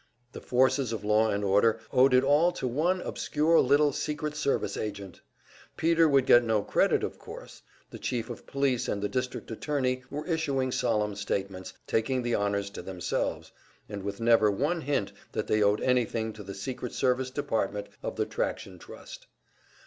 The forces of law and order owed it all to one obscure little secret service agent! Peter would get no credit, of course; the Chief of Police and the district attorney were issuing solemn statements, taking the honors to themselves, and with never one hint that they owed anything to the secret service department of the Traction Trust.